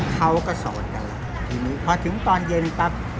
เขาก็สอนกันแล้วทีนี้พอถึงตอนเย็นปั๊บ